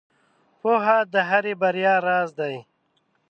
• پوهه د هرې بریا راز دی.